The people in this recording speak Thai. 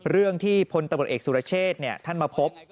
เรื่องที่ผลตะบทเอกสุรเชศท่านมาพบ